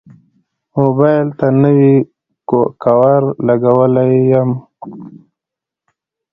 موبایل ته نوی کوور لګولی یم.